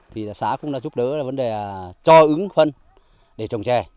thì xã cũng giúp đỡ vấn đề cho ứng phân để trồng chè